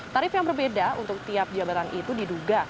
tarif yang berbeda untuk tiap jabatan itu diduga